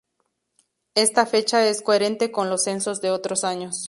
Esta fecha es coherente con los censos de otros años.